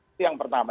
itu yang pertama